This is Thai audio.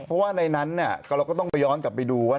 เพราะว่าในนั้นเราก็ต้องไปย้อนกลับไปดูว่า